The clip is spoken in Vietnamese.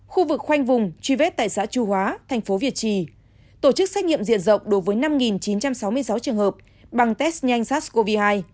khu vực khoanh vùng truy vết tại xã chu hóa thành phố việt trì tổ chức xét nghiệm diện rộng đối với năm chín trăm sáu mươi sáu trường hợp bằng test nhanh sars cov hai